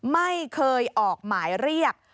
ไม่เคยออกหมายเรียก